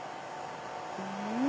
うん！